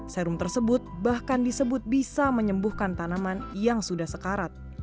serum tersebut bahkan disebut bisa menyembuhkan tanaman yang sudah sekarat